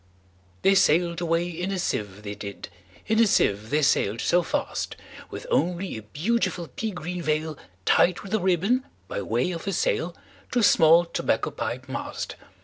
They sail'd away in a sieve, they did, In a sieve they sail'd so fast, With only a beautiful pea green veilTied with a ribbon, by way of a sail, To a small tobacco pipe mast.